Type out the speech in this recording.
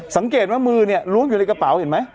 สังเกตว่ามือเนี่ยล้วงอยู่ในกระเป๋าเห็นไหม